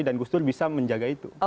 dan gusdur bisa menjaga itu